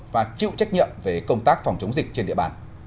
và chịu trách nhiệm về công tác phòng chống dịch trên địa bàn